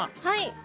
はい。